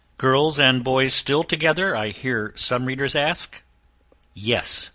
Girls and boys still together? I hear some readers ask: yes.